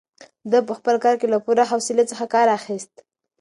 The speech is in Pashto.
ده په خپل کار کې له پوره حوصلې څخه کار اخیست.